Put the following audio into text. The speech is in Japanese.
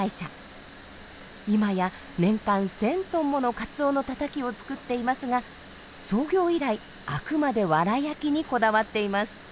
今や年間１，０００トンものカツオのたたきを作っていますが創業以来あくまでワラ焼きにこだわっています。